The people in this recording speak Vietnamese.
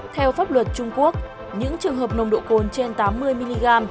theo pháp luật trung quốc những trường hợp nồng độ cồn trên tám mươi mg